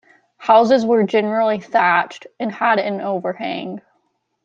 Houses were generally thatched and had an overhang.